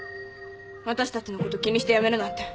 わたしたちのこと気にして辞めるなんて。